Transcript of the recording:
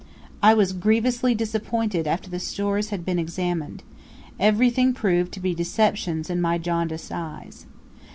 I was grievously disappointed after the stores had been examined; everything proved to be deceptions in my jaundiced eyes.